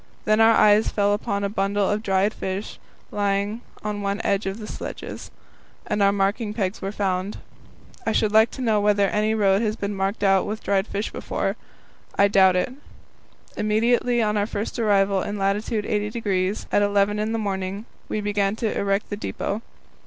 Then our eyes fell upon a bundle of dried fish lying on one of the sledges, and our marking pegs were found. I should like to know whether any road has been marked out with dried fish before; I doubt it. Immediately on our arrival in lat. 80° at eleven in the morning we began to erect the depot.